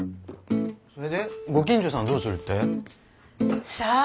それでご近所さんどうするって？さあ。